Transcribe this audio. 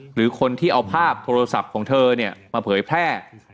หรือคนที่เอาภาพโทรศัพท์ของเธอเนี่ยมาเผยแพร่